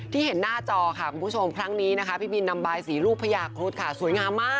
เห็นหน้าจอค่ะคุณผู้ชมครั้งนี้นะคะพี่บินนำบายสีรูปพญาครุฑค่ะสวยงามมาก